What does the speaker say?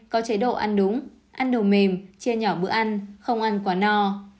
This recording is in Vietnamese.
hai có chế độ ăn đúng ăn đồ mềm chia nhỏ bữa ăn không ăn quá no